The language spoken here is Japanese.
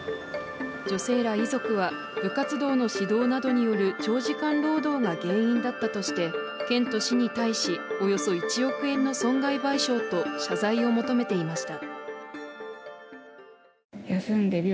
女性ら遺族は部活動の指導などによる長時間労働が原因だったとして、県と市に対しおよそ１億円の損害賠償と謝罪を求めていました。